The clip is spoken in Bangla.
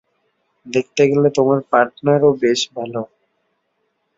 দেখতে গেলে তোমার পার্টনারও বেশ ভালো।